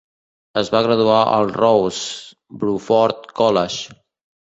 Es va graduar al Rose Bruford College.